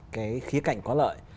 cái khía cạnh có lợi